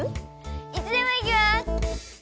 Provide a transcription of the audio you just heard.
いつでも行きます！